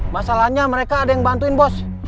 masalahnya mereka ada yang bantuin bos